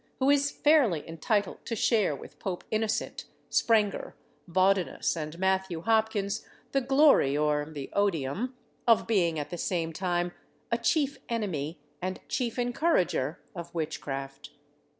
who is fairly entitled to share with Pope Innocent, Sprenger, Bodinus, and Matthew Hopkins the glory or the odium of being at the same time a chief enemy and chief encourager of witchcraft.